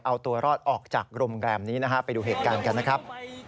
เอาตัวรอดออกจากโรงแรมนี้นะฮะไปดูเหตุการณ์กันนะครับ